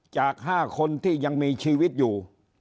จาก๕คนที่ยังมีชีวิตอยู่